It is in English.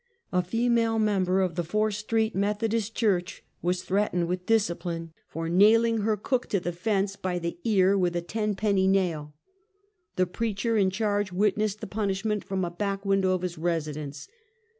A female member of the Fourth St. Methodist church was threatened with discipline, for nailing her cook to the fence by the ear with a ten penny nail. The preacher in charge witnessed the punishment from a back window of his residence.